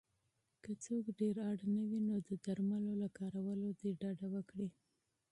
که څوک ډېر اړ نه وی نو د درملو له کارولو دې ډډه وکړی